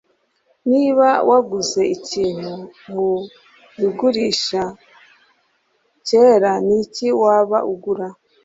Niba waguze ikintu mubigurisha cyera Niki Waba Ugura